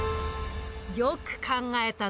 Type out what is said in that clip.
よく考えたな。